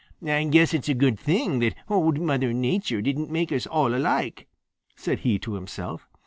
"I guess it's a good thing that Old Mother Nature didn't make us all alike," said he to himself.